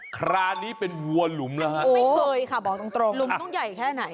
คราวนี้เป็นวัวหลุมแล้วฮะไม่เคยค่ะบอกตรงตรงหลุมต้องใหญ่แค่ไหน